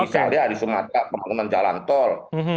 misalnya di sumatera pembangunan jalan tol